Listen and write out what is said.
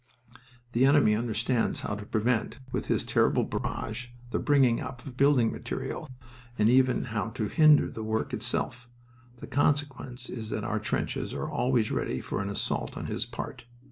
"The enemy understands how to prevent, with his terrible barrage, the bringing up of building material, and even how to hinder the work itself. The consequence is that our trenches are always ready for an assault on his part.